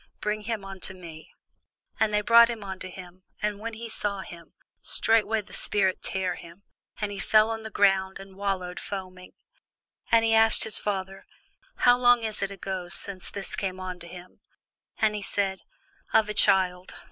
bring him unto me. And they brought him unto him: and when he saw him, straightway the spirit tare him; and he fell on the ground, and wallowed foaming. And he asked his father, How long is it ago since this came unto him? And he said, Of a child.